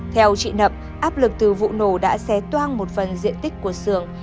theo chị nậm áp lực từ vụ nổ đã xé toan một phần diện tích của sưởng